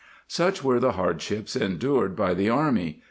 ^~ Such were the hardships endured by the army; 1 Jos.